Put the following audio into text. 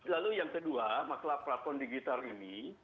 lalu yang kedua masalah platform digital ini